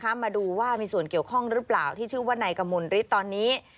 มาดูว่ามีส่วนเกี่ยวข้องหรือเปล่าที่ชื่อว่านายกมลฤทธิ์ตอนนี้